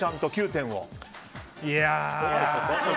９点を。